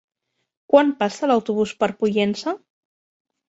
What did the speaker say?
Quan passa l'autobús per Pollença?